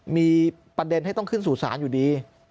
มีประเด็นให้ต้องขึ้นสู่ศาลอยู่ดี